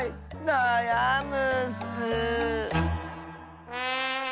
なやむッス。